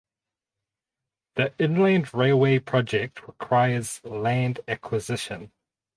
The Inland Railway project requires land acquisition.